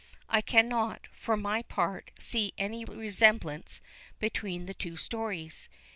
I cannot, for my part, see any resemblance between the two stories.